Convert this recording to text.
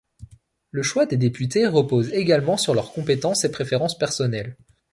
Le choix des députés repose également sur leurs compétences et préférences personnelles.